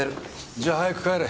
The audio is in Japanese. じゃあ早く帰れ。